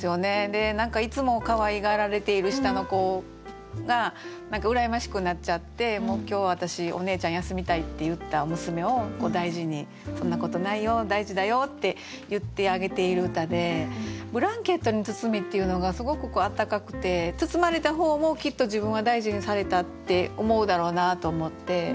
で何かいつもかわいがられている下の子が何か羨ましくなっちゃって「もう今日私おねえちゃん休みたい」って言った娘を大事に「そんなことないよ大事だよ」って言ってあげている歌で「ブランケットに包み」っていうのがすごくあったかくて包まれた方もきっと自分は大事にされたって思うだろうなと思って。